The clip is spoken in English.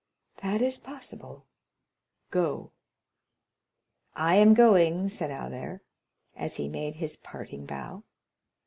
"That is possible—go." "I am going," said Albert, as he made his parting bow.